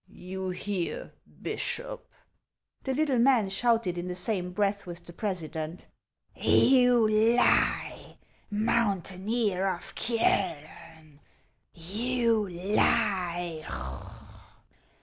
" You hear, Bishop ?" The little man shouted in the same breath with the president :" You lie, mountaineer of Kiolen ! you lie